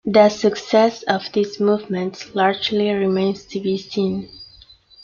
The success of these movements largely remains to be seen.